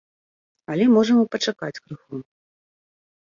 Але можам і пачакаць крыху.